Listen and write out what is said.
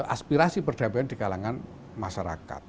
aspirasi perdamaian di kalangan masyarakat